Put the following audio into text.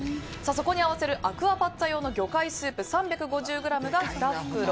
そこに合わせるアクアパッツァ用の魚介スープ３５０ｇが２袋